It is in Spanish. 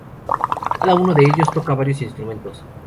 Cada uno de ellos toca varios instrumentos.